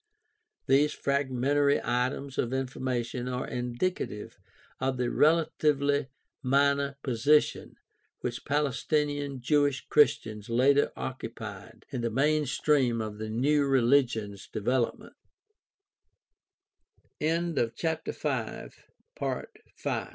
These fragmentary items of information are indicative of the relatively minor position which Palestinian Jewish Christians later occupied in the main stream of the new religion's develo